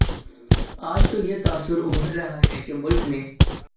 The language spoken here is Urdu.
آج تو یہ تاثر ابھر رہا ہے کہ ملک میں